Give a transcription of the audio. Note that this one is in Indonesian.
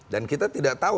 dan kita tidak tahu